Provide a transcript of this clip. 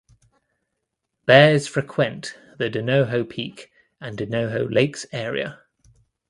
Bears frequent the Donoho Peak and Donoho Lakes area.